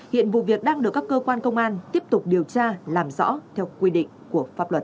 hiện vụ việc đang được các cơ quan công an tiếp tục điều tra làm rõ theo quy định của pháp luật